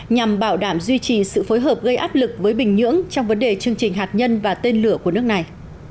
nhằm bảo đảm duy trì sự phối hợp gây áp lực với bình nhưỡng trong vấn đề chương trình hạt nhân và tên lửa của nước này